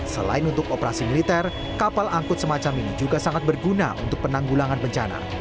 selain untuk operasi militer kapal angkut semacam ini juga sangat berguna untuk penanggulangan bencana